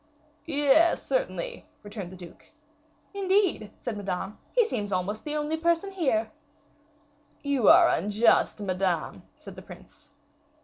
"Yes, certainly," returned the duke. "Indeed," said Madame, "he seems almost the only person here!" "You are unjust, Madame," said the prince.